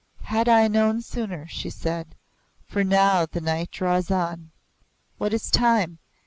"Had I known sooner!" she said. "For now the night draws on." "What is time?"